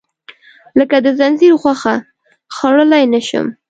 لکه د خنځیر غوښه، خوړلی نه شم.